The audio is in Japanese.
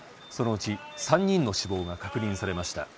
そのうち３人の死亡が確認されました。